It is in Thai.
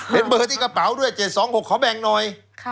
เป็นเบอร์ที่กระเป๋าด้วย๗๒๖ขอแบ่งหน่อย